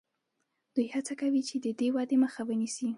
دوی هڅه کوي چې د دې ودې مخه ونیسي.